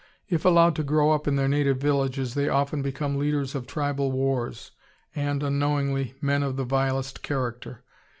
If allowed to grow up in their native villages they often become leaders of tribal wars, and, unknowingly, men of the vilest character.